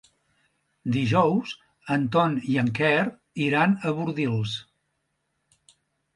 Dijous en Ton i en Quer iran a Bordils.